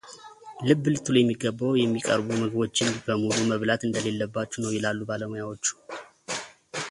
ልብ ልትሉ የሚገባው የሚቀርቡ ምግቦችን በሙሉ መብላት እንደሌለባችሁ ነው ይላሉ ባለሙያዎቹ።